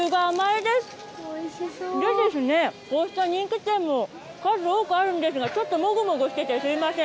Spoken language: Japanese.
でですね、こうした人気店も数多くあるんですが、ちょっともごもごしててすみません。